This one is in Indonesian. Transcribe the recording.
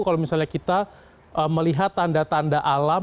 kalau misalnya kita melihat tanda tanda alam